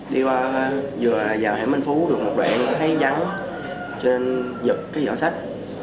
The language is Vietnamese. đi qua vừa vào hẻm minh phú được một đoạn thấy vắng cho nên giật cái giỏ sách